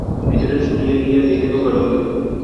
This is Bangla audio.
ভিতরে ছুটিয়া গিয়া দেখিল, ঘরে অন্ধকার।